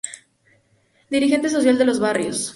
Dirigente social de los barrios.